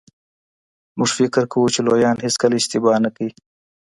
موږ فکر کوو چي لویان هیڅکله اشتباه نه کوي.